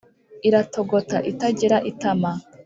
iratogota itagira itama